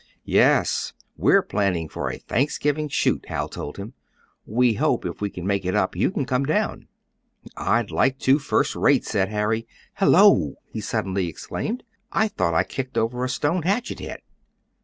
"Yes, we're planning for a Thanksgiving shoot," Hal told him. "We hope, if we make it up, you can come down." "I'd like to first rate," said Harry. "Hello!" he suddenly exclaimed, "I thought I kicked over a stone hatchet head."